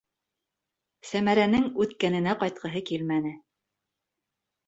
Сәмәрәнең үткәненә ҡайтҡыһы килмәне.